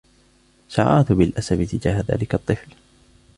شعرت بالأسف تجاه ذلك الطفل.